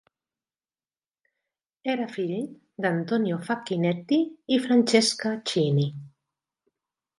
Era fill d'Antonio Facchinetti i Francesca Cini.